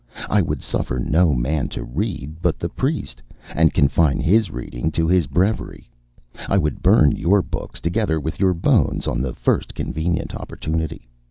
I would suffer no man to read but the priest, and confine his reading to his breviary. I would burn your books together with your bones on the first convenient opportunity.